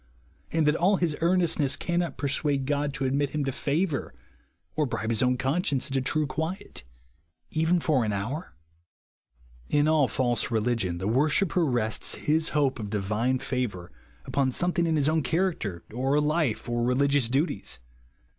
and that all bis earnestness cannot persuade God to admit liim to favour, or bribe his owti conscience into true quiet even for an hour ? In all false religion, the worshipper rests his hope of divine favour upon something in his own character, or life, or religious duties.